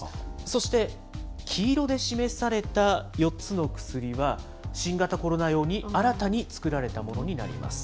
そして、黄色で示された４つの薬は、新型コロナ用に新たに作られたものになります。